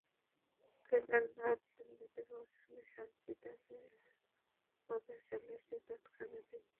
কেদারনাথ দিল্লিতে পৌঁছালে শান্তি তাকে ও তার ছেলেকে তৎক্ষণাৎ চিনতে পারেন।